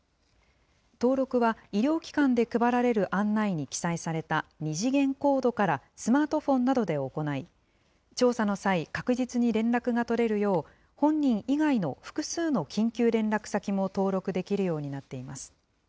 登録は、医療機関で配られる案内に記載された２次元コードからスマートフォンなどで行い、調査の際、確実に連絡が取れるよう、本人以外の複数の緊急連絡先も登録できるようになっています。